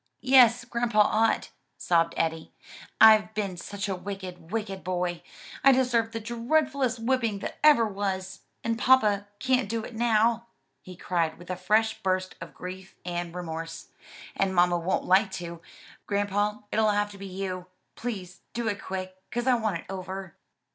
"Yes, grandpa ought," sobbed Eddie, "I've been such a wicked, wicked boy, I deserve the dreadfulest whipping that ever was. And papa can't do it now!" he cried with a fresh burst of grief and remorse, "and mamma won't like to. Grandpa, it'll have to be you. Please do it quick, 'cause I want it over."